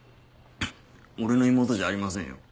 俺の妹じゃありませんよ。